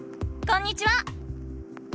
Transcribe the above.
こんにちは！